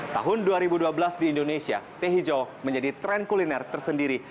tahun dua ribu dua belas di indonesia teh hijau menjadi tren kuliner tersendiri